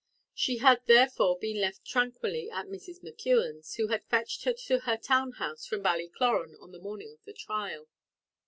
She had, therefore, been left tranquilly at Mrs. McKeon's, who had fetched her to her own house from Ballycloran on the morning of the trial.